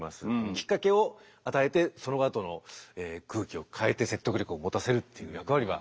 きっかけを与えてそのあとの空気を変えて説得力を持たせるっていう役割が。